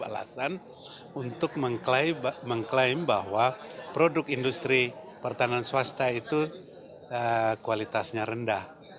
alasan untuk mengklaim bahwa produk industri pertahanan swasta itu kualitasnya rendah